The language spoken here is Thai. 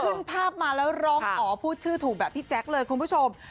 ภาพมาแล้วร้องอ๋อพูดชื่อถูกแบบพี่แจ๊คเลยคุณผู้ชม